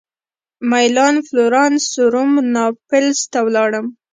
مېلان فلورانس روم ناپلز ته ولاړم.